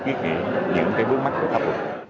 ký kỷ những bước mắt của tháp luật